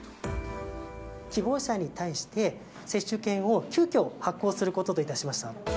希望者に対して、接種券を急きょ、発行することといたしました。